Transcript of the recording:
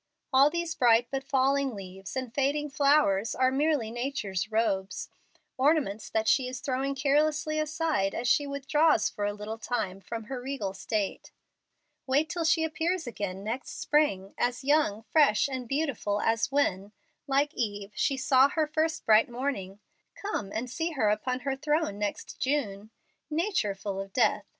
All these bright but falling leaves and fading flowers are merely Nature's robes, ornaments that she is throwing carelessly aside as she withdraws for a little time from her regal state. Wait till she appears again next spring, as young, fresh, and beautiful as when, like Eve, she saw her first bright morning. Come and see her upon her throne next June. Nature full of death!